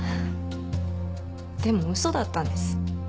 でも嘘だったんです。